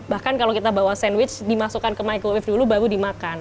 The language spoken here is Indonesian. bahkan kalau kita bawa sandwich dimasukkan ke microwave dulu baru dimakan